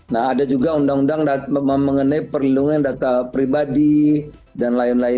nah ada juga undang undang mengenai perlindungan data pribadi dan lain lain